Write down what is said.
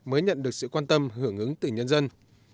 mới nhận được sự quan tâm hưởng ứng từ nhân dân